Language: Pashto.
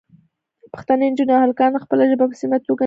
پښتنې نجونې او هلکان خپله ژبه په سمه توګه نه شي ویلی.